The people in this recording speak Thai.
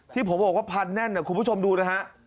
ที่ผมบอกว่าพันแน่นนะคุณผู้ชมดูนะฮะ